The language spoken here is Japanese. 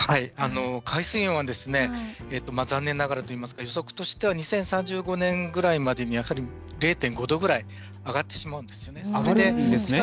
海水温は、残念ながら予測としては２０３５年ぐらいまでにやはり０．５度ぐらい上がってしまうんですよね。